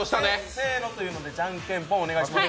せーのというのでじゃんけんぽんお願いします。